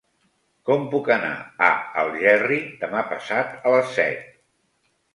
Com puc anar a Algerri demà passat a les set?